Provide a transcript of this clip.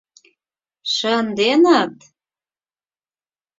Шын-де-ныт?!